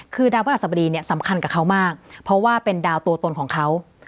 คือดาวพระราชสบดีเนี่ยสำคัญกับเขามากเพราะว่าเป็นดาวตัวตนของเขา